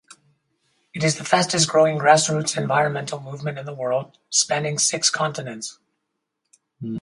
It is the fastest growing grassroots environmental movement in the world, spanning six continents.